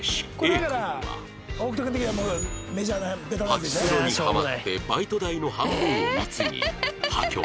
パチスロにハマってバイト代の半分を貢ぎ破局